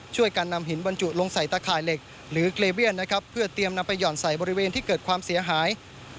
การนำหินบรรจุลงใส่ตะข่ายเหล็กหรือเกลเวียนนะครับเพื่อเตรียมนำไปห่อนใส่บริเวณที่เกิดความเสียหาย